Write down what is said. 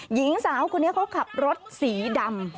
หญิงสาวคนนี้เขาขับรถสีดำ